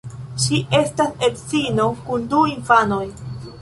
Ŝi estas edzino kun du infanoj.